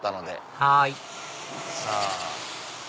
はいさぁ。